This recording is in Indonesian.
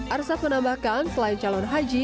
arsad menambahkan selain calon haji